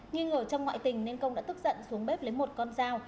nhưng ở trong ngoại tình nên công đã tức giận xuống bếp lấy một con dao